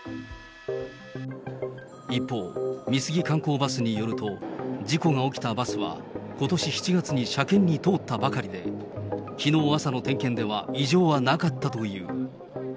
一方、美杉観光バスによると、事故が起きたバスは、ことし７月に車検に通ったばかりで、きのう朝の点検では異常はなかったという。